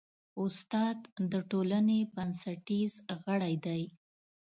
استاد د ټولنې بنسټیز غړی دی.